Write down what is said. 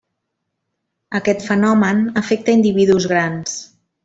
Aquest fenomen afecta individus grans.